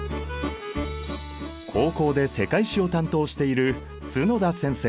高校で世界史を担当している角田先生。